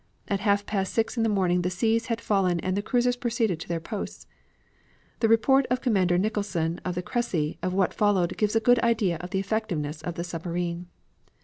At half past six in the morning the seas had fallen and the cruisers proceeded to their posts. The report of Commander Nicholson, of the Cressy, of what followed gives a good idea of the effectiveness of the submarine.